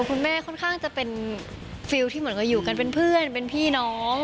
คุณแม่ค่อนข้างจะเป็นฟิลที่เหมือนกับอยู่กันเป็นเพื่อนเป็นพี่น้อง